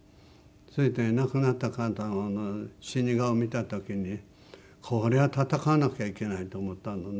それで亡くなった方の死に顔見た時にこれは闘わなくてはいけないと思ったのね。